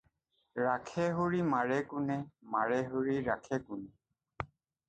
ৰাখে হৰি মাৰে কোনে ! মাৰে হৰি ৰাখে কোনে ?